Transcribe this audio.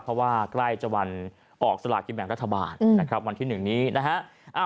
เพราะว่าใกล้จะวันออกสลากินแบ่งรัฐบาลนะครับวันที่๑นี้นะฮะ